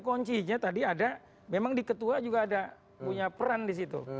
kuncinya tadi ada memang di ketua juga ada punya peran di situ